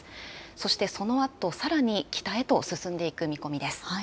そしてそのあとさらに北へと進んでいく見込みです。